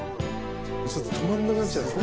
止まんなくなっちゃいますね。